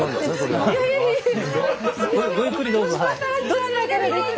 どちらからですか？